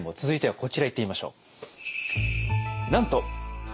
続いてはこちらいってみましょう。